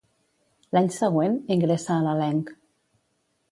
L'any següent, ingressa a l'elenc.